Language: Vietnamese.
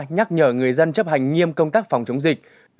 nhắc nhở người dân chấp hành nghiêm công tác phòng chống dịch